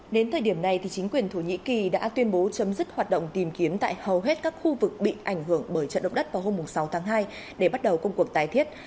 đến thời điểm này chính quyền thổ nhĩ kỳ đã tuyên bố chấm dứt hoạt động tìm kiếm tại hầu hết các khu vực bị ảnh hưởng bởi trận động đất vào hôm sáu tháng hai để bắt đầu công cuộc tái thiết